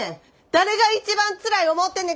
誰が一番つらい思うてんねん！